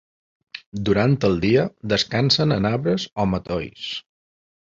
Durant el dia, descansen en arbres o matolls.